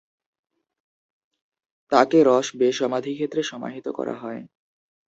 তাকে Ross Bay সমাধিক্ষেত্রে সমাহিত করা হয়।